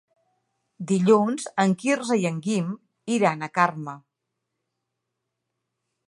Dilluns en Quirze i en Guim iran a Carme.